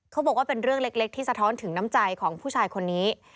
เขาบอกว่าเป็นเรื่องเล็กที่สะท้อนถึงน้ำใจของผู้ชายคนนี้